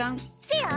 せや。